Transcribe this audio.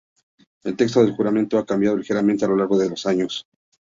El texto del juramento ha cambiado ligeramente a lo largo de los años.